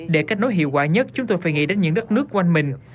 để kết nối hiệu quả nhất chúng tôi phải nghĩ đến những đất nước quanh mình